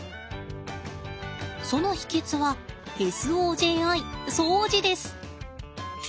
その秘けつはＳＯＪＩ掃除です！